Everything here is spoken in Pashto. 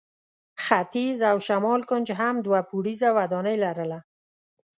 ختیځ او شمال کونج هم دوه پوړیزه ودانۍ لرله.